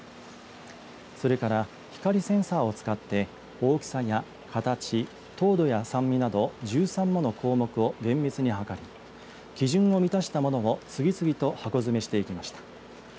それから、光センサーを使って大きさや形糖度や酸味など１３もの項目を厳密に測り基準を満たしたものを次々と箱詰めしていきました。